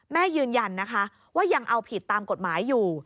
ยืนยันนะคะว่ายังเอาผิดตามกฎหมายอยู่